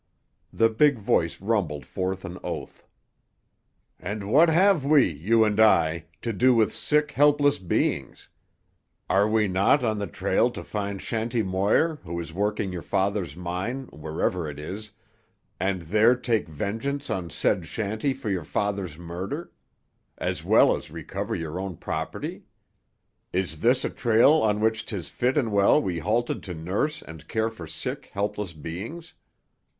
The big voice rumbled forth an oath. "And what have we—you and I—to do with sick, helpless beings? Are we not on the trail to find Shanty Moir, who is working your father's mine, wherever it is, and there take vengeance on said Shanty for your father's murder, as well as recover your own property? Is this a trail on which 'tis fit and well we halted to nurse and care for sick, helpless beings?